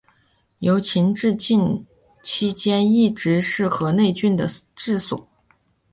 由秦至晋期间一直是河内郡的治所。